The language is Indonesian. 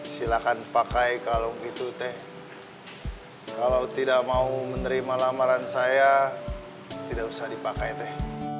silahkan pakai kalau begitu teh kalau tidak mau menerima lamaran saya tidak usah dipakai teh